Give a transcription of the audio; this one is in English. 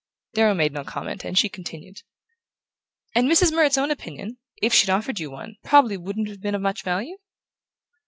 Darrow made no comment, and she continued: "And Mrs. Murrett's own opinion if she'd offered you one probably wouldn't have been of much value?"